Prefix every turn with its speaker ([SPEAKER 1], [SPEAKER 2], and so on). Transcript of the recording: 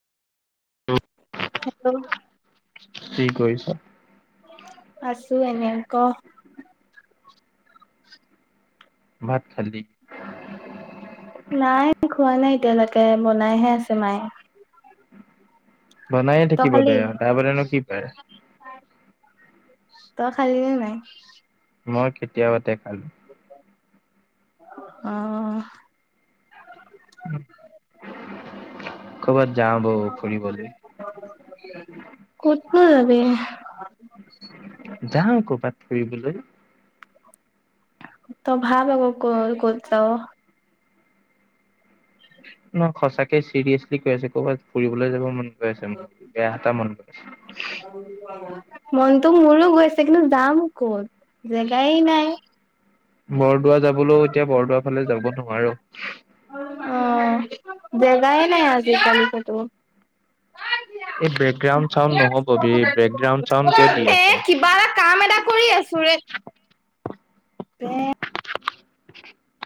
[SPEAKER 1] hello
[SPEAKER 2] কি কৰিছ
[SPEAKER 1] আছোঁ এনেই ক
[SPEAKER 2] ভাত খালি
[SPEAKER 1] নাই খোৱা নাই এতিয়ালৈকে বনাইহে আছে মায়ে
[SPEAKER 2] বনাই
[SPEAKER 1] তই
[SPEAKER 2] থাকিব
[SPEAKER 1] খালি
[SPEAKER 2] দে তাৰ বাদেনো কি পাৰে
[SPEAKER 1] তই খালিনে নাই
[SPEAKER 2] মই কেতিয়াবাতে খালোঁ
[SPEAKER 1] অ
[SPEAKER 2] ক'ৰবাত যা বৌ ফুৰিবলৈ
[SPEAKER 1] কতনো যাবি
[SPEAKER 2] যাহ কবাত ফুৰিবলৈ
[SPEAKER 1] তই ভাল হ'ব ক ক'ত যাওঁ
[SPEAKER 2] নহ সঁচাকে চিৰিয়েছলি কৈ আছে ক'ৰবাত ফুৰিবলৈ যাব মন আছে মোৰ বেয়া মান গৈ আছে
[SPEAKER 1] মনটো মোৰো গৈছে কিন্তু যাম ক'ত জেগাই নাই
[SPEAKER 2] বৰদোৱা যাবলৈও এতিয়া বৰদোৱা ফালে যাব নোৱাৰোঁ
[SPEAKER 1] অ জেগাই নাই আজিকালি কতো
[SPEAKER 2] এই বেকগ্ৰাউণ্ড চাউড নহ'ব বেকগ্ৰাউড চাউড কিয় দি আছোঁ
[SPEAKER 1] কাম এটা কৰি আছোঁ ৰে বে